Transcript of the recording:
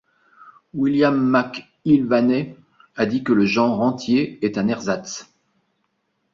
William McIlvanney a dit que le genre entier est un ersatz.